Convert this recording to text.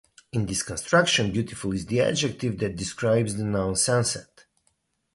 In this construction, "beautiful" is the adjective that describes the noun "sunset."